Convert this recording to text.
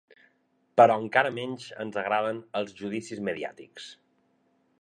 Però encara menys ens agraden els judicis mediàtics.